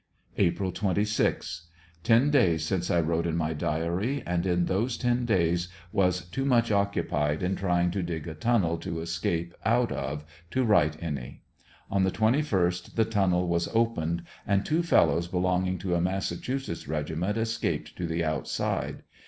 April 26 — Ten days since I wrote in my diary, and in those ten days was too much occupied in trying to dig a tunnel to escape out of, to write any. On the 21st the tunnel was opened and two fellows belonging to a Massachusetts regiment escaped to the out side.